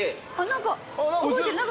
何か動いてる。